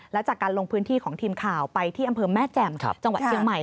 และจากการลงพื้นที่ของทีมข่าวไปที่อำเภอแม่แจ่มจังหวัดเชียงใหม่